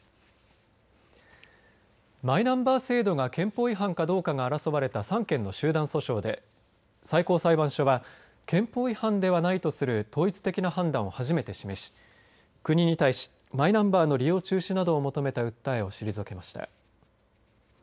マイナンバー制度が憲法違反かどうかが争われた３件の集団訴訟で最高裁判所は憲法違反ではないとする統一的な判断を初めて示し国に対し、マイナンバーの利用中止などを求めた訴えを退けました。